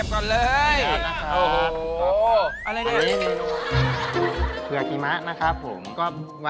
องโรไม่เอาล่ะ